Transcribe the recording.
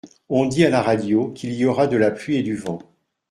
On dit à la radio qu’il y aura de la pluie et du vent.